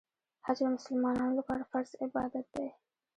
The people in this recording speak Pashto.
حج د مسلمانانو لپاره فرض عبادت دی.